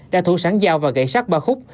đã thủ sáng dao và gậy sát ba khúc